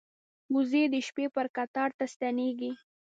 وزې د شپې پر کټار ته ستنېږي